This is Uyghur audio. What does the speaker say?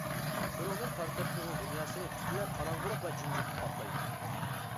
شۇنىڭدىن تارتىپ ئۇنىڭ دۇنياسىنى پۈتۈنلەي قاراڭغۇلۇق ۋە جىمجىتلىق قاپلايدۇ.